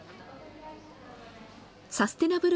サステナブル